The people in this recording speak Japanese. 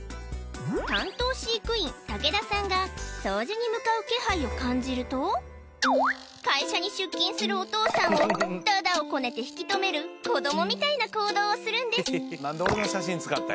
担当飼育員竹田さんが掃除に向かう気配を感じると会社に出勤するお父さんをだだをこねて引き止める子どもみたいな行動をするんですあっ